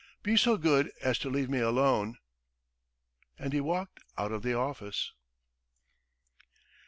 Be so good as to leave me alone!" And he walked out of the office.